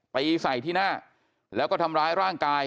ไปใส่ที่หน้าแล้วก็ทำร้ายร่างกาย